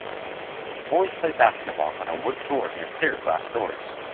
Boys play basketball on a wood floor near clear glass doors.